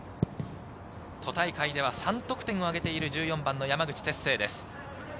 都大会では３得点を挙げている１４番・山口輝星です。